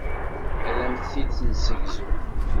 Ad am-t-id-nessegzu.